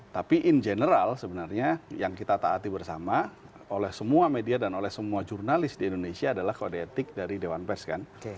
tapi in general sebenarnya yang kita taati bersama oleh semua media dan oleh semua jurnalis di indonesia adalah kode etik dari dewan pers kan